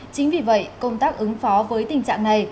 chính vì vậy công tác ứng phó với tình trạng này